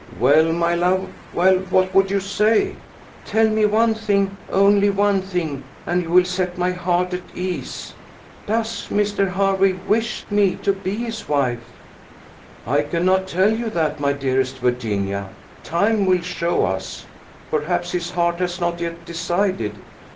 "Well, my love, well, what would you say?" "Tell me one thing, only one thing, and you will set my heart at ease. Does Mr. Hervey wish me to be his wife?" "I cannot tell you that, my dearest Virginia. Time will show us. Perhaps his heart has not yet decided."